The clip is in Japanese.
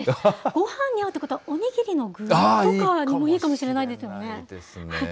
ごはんに合うということはお握りの具とかにもいいかもしれないでいいかもしれないですね。